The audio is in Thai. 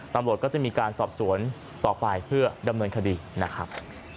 ตำรวจก็จะมีการสอบสวนต่อไปเพื่อดำเนินคดีนะครับ